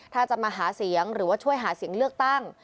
ถ้าจะมาหาเสียงหรือว่าช่วยหาเสียงเลือกตั้ง